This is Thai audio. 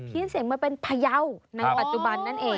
ก็เลยเพียงเสียงมาเป็นภายาวในปัจจุบันนั่นเอง